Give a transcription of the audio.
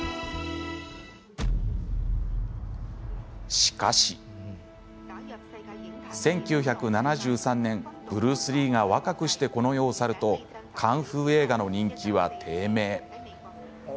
しかし、１９７３年ブルース・リーが若くしてこの世を去るとカンフー映画の人気は低迷。